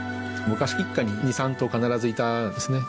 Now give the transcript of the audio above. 昔一家に２３頭必ずいたんですね。